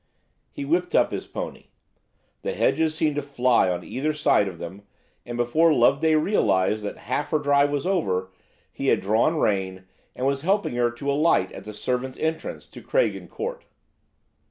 He whipped up his pony. The hedges seemed to fly on either side of them, and before Loveday realized that half her drive was over, he had drawn rein, and was helping her to alight at the servants' entrance to Craigen Court.